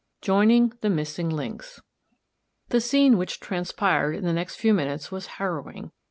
JOINING THE MISSING LINKS. The scene which transpired in the next few minutes was harrowing.